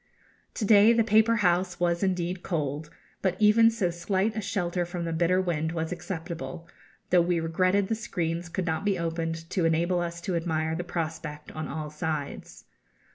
To day the paper house was indeed cold; but even so slight a shelter from the bitter wind was acceptable, though we regretted the screens could not be opened to enable us to admire the prospect on all sides.